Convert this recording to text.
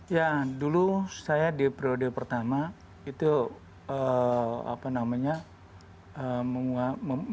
ya dulu saya di prerode pertama itu memiliki visi yaitu mendukung kota lubu linggau